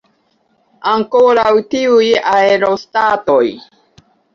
Ankoraŭ tiuj aerostatoj!